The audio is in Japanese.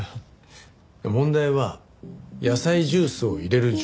問題は野菜ジュースを入れる順番。